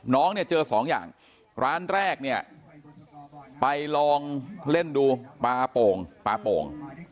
น้องเนี่ยเจอสองอย่างร้านแรกเนี่ยไปลองเล่นดูปลาโป่งปลาโป่ง